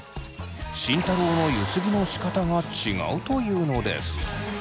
「慎太郎のゆすぎのしかたが違う！」というのです。